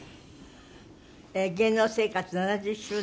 芸能生活７０周年。